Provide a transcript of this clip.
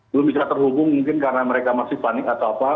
belum bisa terhubung mungkin karena mereka masih panik atau apa